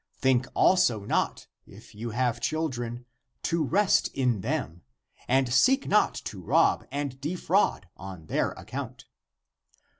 Think also not, if you have children, to rest in them, and seek not to rob and defraud on their account